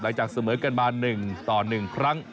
หลายจากเสมอกันมา๑ต่อ๑ครั้ง